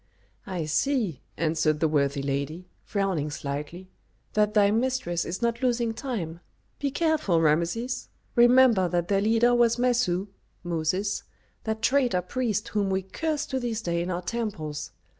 "I see," answered the worthy lady, frowning slightly, "that thy mistress is not losing time. Be careful, Rameses; remember, that their leader was Messu (Moses), that traitor priest whom we curse to this day in our temples.